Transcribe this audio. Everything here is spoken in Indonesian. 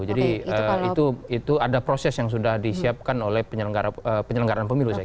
jadi itu ada proses yang sudah disiapkan oleh penyelenggara pemilu